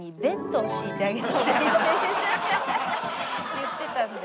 言ってたんで。